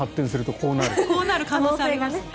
こうなる可能性がありますね。